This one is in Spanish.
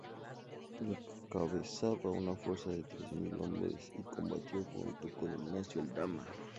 Encabezaba una fuerza de tres mil hombres y combatió junto con Ignacio Aldama.